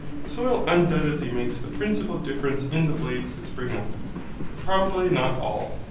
Soil undoubtedly makes the principal difference in the blades that spring up, but probably not all.